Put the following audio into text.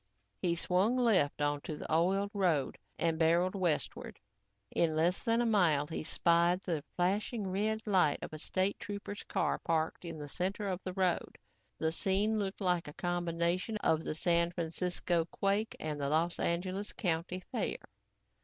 He swung left onto the oiled road and barreled westward. In less than a mile, he spied the flashing red light of a State trooper's car parked in the center of the road. The scene looked like a combination of the San Francisco quake and the Los Angeles county fair.